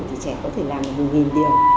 thì trẻ có thể làm được một mươi điều